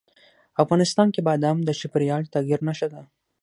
افغانستان کې بادام د چاپېریال د تغیر نښه ده.